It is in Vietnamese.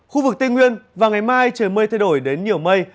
khu vực tây nguyên và ngày mai trời mây thay đổi đến nhiều mây